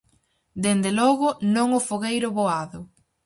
Dende logo, non o fogueiro Boado.